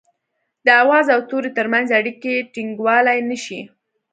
د آواز او توري ترمنځ اړيکي ټيڼګولای نه شي